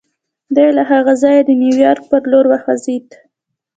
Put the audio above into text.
دی له هغه ځایه د نیویارک پر لور وخوځېد